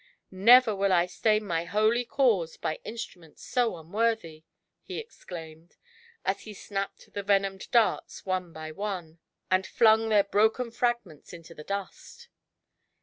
Never will I stain my holy cause by instruments so unworthy!" he exclaimed, as he snapped the venomed darts one by one, and flung their broken fragments into the dust.